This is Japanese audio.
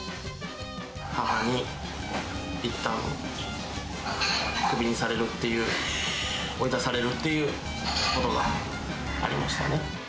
母にいったん、クビにされるっていう、追い出されるっていうことがありましたね。